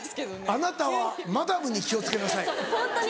「あなたはマダムに気を付けなさい今年は」。